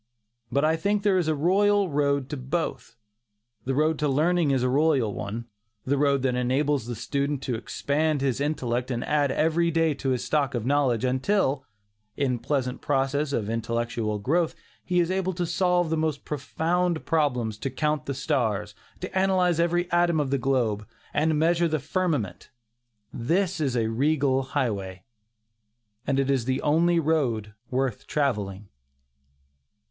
But I think there is a royal road to both. The road to learning is a royal one; the road that enables the student to expand his intellect and add every day to his stock of knowledge, until, in the pleasant process of intellectual growth, he is able to solve the most profound problems, to count the stars, to analyze every atom of the globe, and to measure the firmament this is a regal highway, and it is the only road worth travelling.